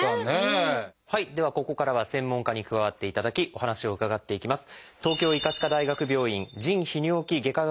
ではここからは専門家に加わっていただきお話を伺っていきます。